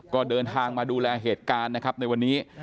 ก็เดินทางมาดูแลเหตุการณ์นะครับในวันนี้